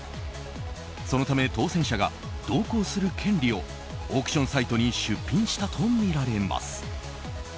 そのため当選者が同行する権利をオークションサイトに出品したとみられます。